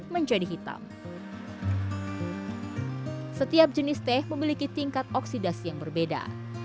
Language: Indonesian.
menjadi hitam setiap jenis teh memiliki tingkat oksidasi yang berbeda